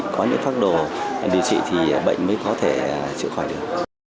có những pháp đồ điều trị thì bệnh mới có thể chữa khỏi được